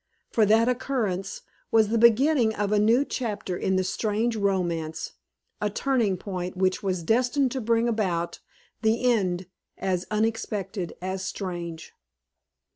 For that occurrence was the beginning of a new chapter in the strange romance, a turning point which was destined to bring about the end as unexpected as strange.